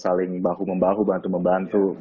saling bahu membahu bantu membantu